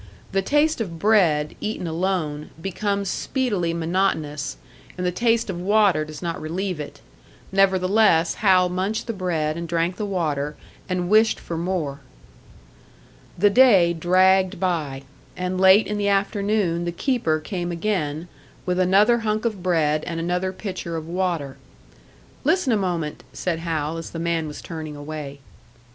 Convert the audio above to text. The taste of bread, eaten alone, becomes speedily monotonous, and the taste of water does not relieve it; nevertheless, Hal munched the bread, and drank the water, and wished for more. The day dragged by; and late in the afternoon the keeper came again, with another hunk of bread and another pitcher of water. "Listen a moment," said Hal, as the man was turning away.